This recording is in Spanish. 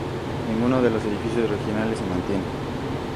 Ninguno de los edificios originales se mantiene.